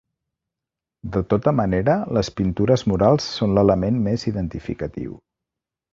De tota manera, les pintures murals són l'element més identificatiu.